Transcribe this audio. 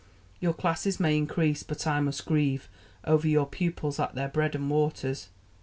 Your classes may increase, but I must grieve Over your pupils at their bread and waters!